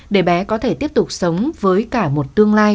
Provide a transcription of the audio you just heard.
để bé có thể tiếp tục sống với cả một tương lai